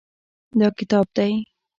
دا کتاب دی.